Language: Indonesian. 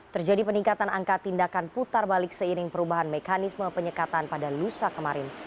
terjadi peningkatan angka tindakan putar balik seiring perubahan mekanisme penyekatan pada lusa kemarin